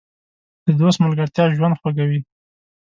د دوست ملګرتیا ژوند خوږوي.